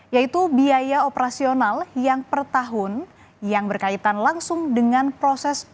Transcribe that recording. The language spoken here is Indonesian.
yaitu biaya operasional yang per tahun yang berkaitan langsung dengan proses